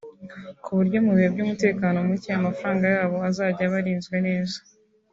ku buryo mu bihe by’umutekano muke amafaranga yabo azajya aba arinzwe neza”